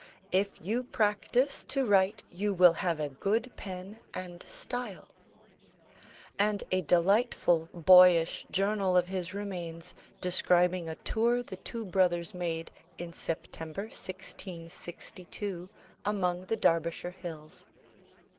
"If you practise to write, you will have a good pen and style:" and a delightful, boyish journal of his remains, describing a tour the two brothers made in September 1662 among the Derbyshire hills.